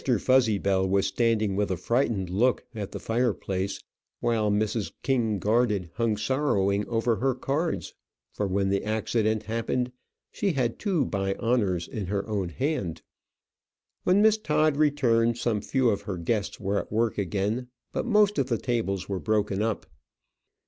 Fuzzybell was standing with a frightened look at the fireplace; while Mrs. King Garded hung sorrowing over her cards, for when the accident happened she had two by honours in her own hand. When Miss Todd returned some few of her guests were at work again; but most of the tables were broken up.